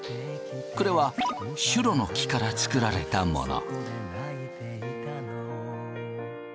これはシュロの木から作られたもの。